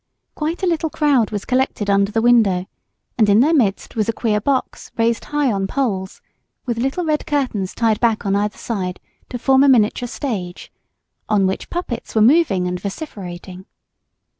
Quite a little crowd was collected under the window, and in their midst was a queer box raised high on poles, with little red curtains tied back on either side to form a miniature stage, on which puppets were moving and vociferating.